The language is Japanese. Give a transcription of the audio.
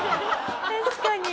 確かに。